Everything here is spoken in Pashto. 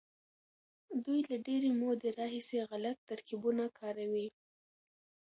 دوی له ډېرې مودې راهيسې غلط ترکيبونه کاروي.